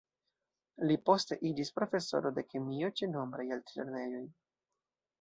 Li poste iĝis profesoro de kemio ĉe nombraj altlernejoj.